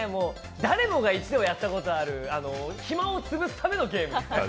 誰もが一度はやったことがある、暇を潰すためのゲーム。